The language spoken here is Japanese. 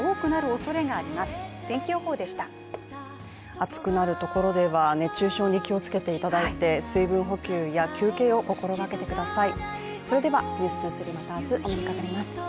暑くなるところでは熱中症に気をつけていただいて、水分補給や休憩を心がけてください。